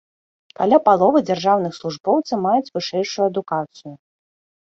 Каля паловы дзяржаўных службоўцаў маюць вышэйшую адукацыю.